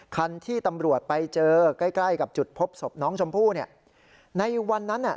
คันที่ตำรวจไปเจอใกล้ใกล้กับจุดพบศพน้องชมพู่เนี่ยในวันนั้นน่ะ